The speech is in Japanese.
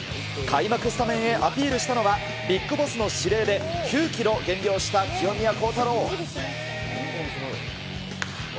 開幕スタメンへアピールしたのは、ビッグボスの指令で、９キロ減量した清宮幸太郎。